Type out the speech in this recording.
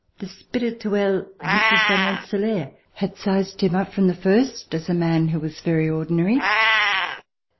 The spirituelle Mrs. Van Rensse laer had sized him up from the first as a man who was very ordinary.